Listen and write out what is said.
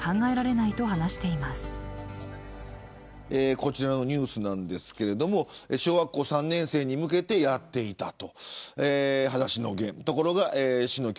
こちらのニュースですが小学校３年生に向けてやっていたと。